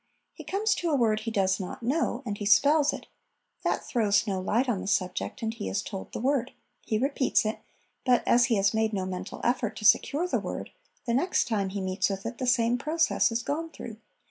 He comes to a word he does LESSONS AS INSTRUMENTS OF EDUCATION 2O? not know, and he spells it ; that throws no light on the subject, and he is told the word : he repeats it, but as he has made no mental effort to secure the word, the next time he meets with it the same process is gone through.